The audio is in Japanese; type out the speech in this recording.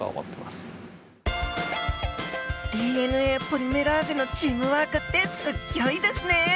ＤＮＡポリメラーゼのチームワークってすっギョいですねえ！